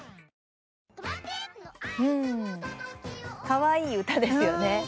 かわいい歌ですよね。